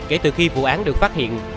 kể từ khi vụ án được phát hiện